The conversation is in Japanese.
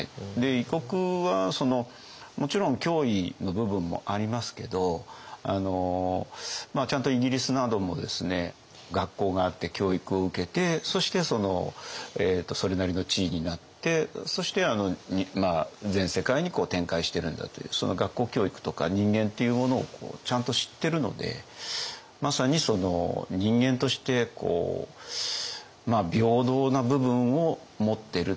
異国はもちろん脅威の部分もありますけどちゃんとイギリスなどもですね学校があって教育を受けてそしてそれなりの地位になってそして全世界に展開してるんだという学校教育とか人間っていうものをちゃんと知ってるのでまさに人間として平等な部分を持ってるっていうか